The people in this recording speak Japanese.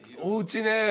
おうちね。